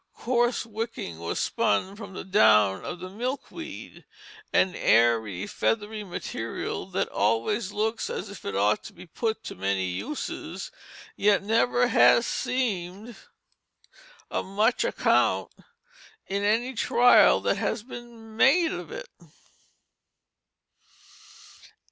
Coarse wicking was spun from the down of the milkweed an airy, feathery material that always looks as if it ought to be put to many uses, yet never has seemed of much account in any trial that has been made of it.